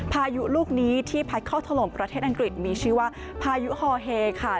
พายุลูกนี้ที่พัดเข้าถล่มประเทศอังกฤษมีชื่อว่าพายุฮอเฮค่ะ